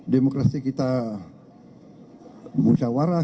demokrasi kita musyawarah